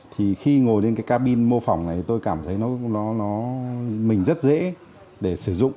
thì khi ngồi lên cái cabin mô phỏng này tôi cảm thấy nó mình rất dễ để sử dụng